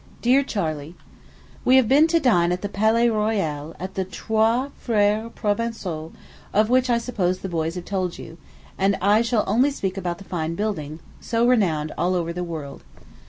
DEAR CHARLEY: We have been to dine at the Palais Royal, at the Trois Frères Provençaux, of which I suppose the boys have told you; and I shall only speak about the fine building, so renowned all over the world.